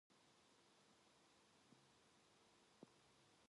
순박하고도 아무 기교가 없는 표현!